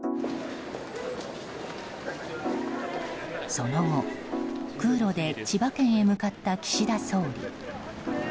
その後、空路で千葉県へ向かった岸田総理。